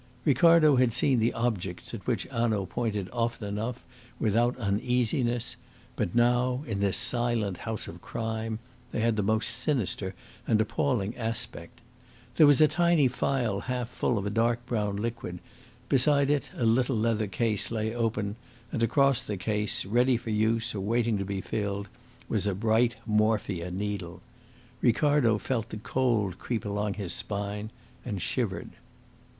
Ricardo had seen the objects at which Hanaud pointed often enough without uneasiness; but now, in this silent house of crime, they had the most sinister and appalling aspect. There was a tiny phial half full of a dark brown liquid, beside it a little leather case lay open, and across the case, ready for use or waiting to be filled, was a bright morphia needle. Ricardo felt the cold creep along his spine, and shivered.